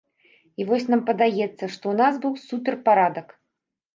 І вось нам падаецца, што ў нас быў суперпарадак.